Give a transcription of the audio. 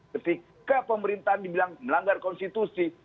ketika pemerintahan dibilang melanggar konstitusi